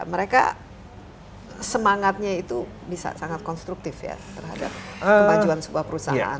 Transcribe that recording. mereka semangatnya itu bisa sangat konstruktif ya terhadap kemajuan sebuah perusahaan